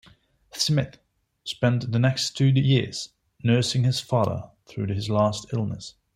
Smith spent the next two years nursing his father through his last illness.